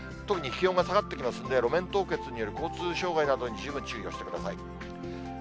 特に気温が下がってきますんで、路面凍結による交通障害などに十分注意をしてください。